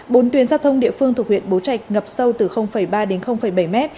bốn tuyến giao thông địa phương thuộc huyện bố trạch ngập sâu từ ba đến bảy mét